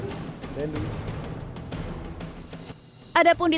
tapi kita harus berpikir